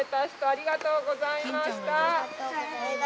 ありがとうございます。